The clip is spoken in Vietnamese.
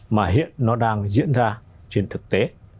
mà hiện nó đang diễn ra trên thực tế